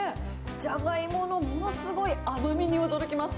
じゃがいものものすごい甘みに驚きます。